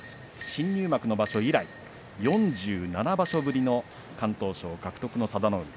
新入幕の場所以来４７場所ぶりの敢闘賞を獲得の佐田の海。